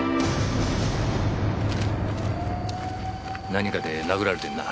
何かで殴られてるな。